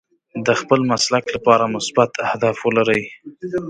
د خپل مسلک لپاره مثبت اهداف ولرئ.